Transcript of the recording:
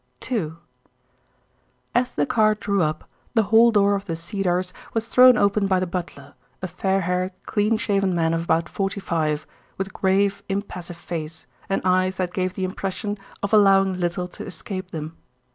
II As the car drew up, the hall door of "The Cedars" was thrown open by the butler, a fair haired clean shaven man of about forty five, with grave, impassive face, and eyes that gave the impression of allowing little to escape them.